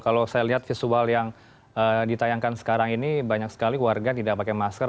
kalau saya lihat visual yang ditayangkan sekarang ini banyak sekali warga tidak pakai masker